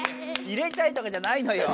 「入れちゃえ」とかじゃないのよ。